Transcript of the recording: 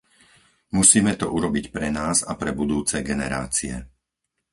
Musíme to urobiť pre nás a pre budúce generácie.